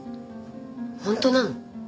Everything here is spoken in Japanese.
本当なの？